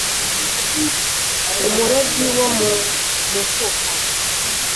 umurobyi wo mu mufuka, ,